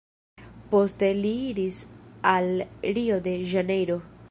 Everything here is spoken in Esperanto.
Poste li iris al Rio-de-Ĵanejro.